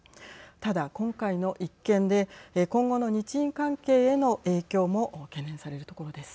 ただ、今回の一件で今後の日印関係への影響も懸念されるところです。